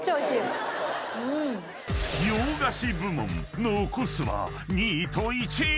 ［洋菓子部門残すは２位と１位］